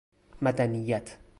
مدنیت